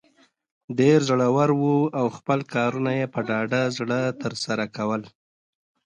ډیر زړه ور وو او خپل کارونه یې په ډاډه زړه تر سره کول.